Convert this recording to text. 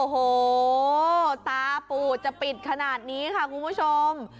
โอ้โหตาปูดจะปิดขนาดนี้ค่ะคุณผู้ชม